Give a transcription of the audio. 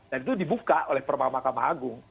dan itu dibuka oleh permakamah agung